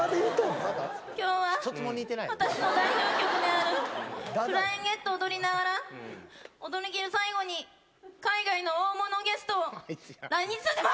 きょうは私の代表曲であるフライングゲットを踊りながら、踊り切る最後に、海外の大物ゲストを来日させます。